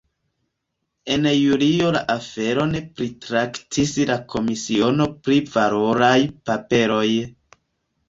En julio la aferon pritraktis la komisiono pri valoraj paperoj.